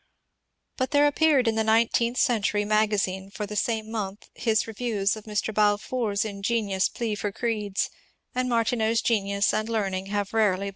But there appeared in the " Nineteenth Century " magazine for this same month his review of Mr. Balfour's ingenious plea for creeds, and Martineau's genius and learning have rarely been happier.